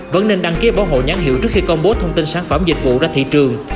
vẫn nên đăng ký bảo hộ nhãn hiệu trước khi công bố thông tin sản phẩm dịch vụ ra thị trường